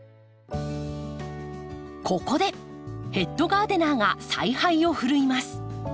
ここでヘッドガーデナーが采配を振るいます。